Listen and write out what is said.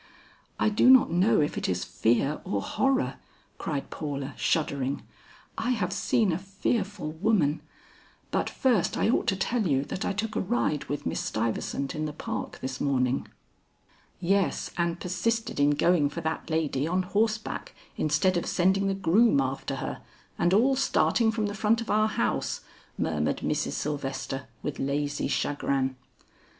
"I do not know if it is fear or horror," cried Paula, shuddering; "I have seen a fearful woman But first I ought to tell you that I took a ride with Miss Stuyvesant in the Park this morning " "Yes, and persisted in going for that lady on horseback instead of sending the groom after her, and all starting from the front of our house," murmured Mrs. Sylvester with lazy chagrin.